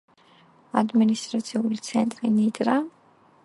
ადმინისტრაციული ცენტრი ნიტრა.